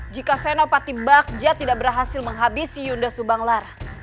jika senopati bakca tidak berhasil menghabisi yunda subanglarang